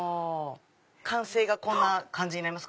完成がこんな感じになります。